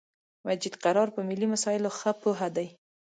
مجید قرار په ملی مسایلو خه پوهه دی